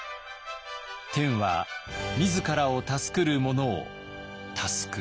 「天は自らを助くる者を助く」。